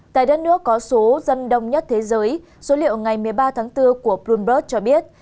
tại đất nước có số dân đông nhất thế giới số liệu ngày một mươi ba tháng bốn của bloomberg cho biết